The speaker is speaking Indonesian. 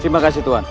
terima kasih tuan